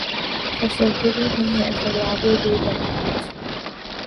فسردگی میں ہے فریادِ بے دلاں تجھ سے